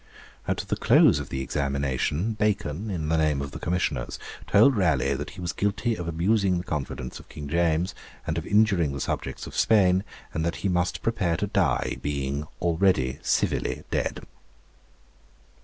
At the close of the examination, Bacon, in the name of the Commissioners, told Raleigh that he was guilty of abusing the confidence of King James and of injuring the subjects of Spain, and that he must prepare to die, being 'already civilly dead.'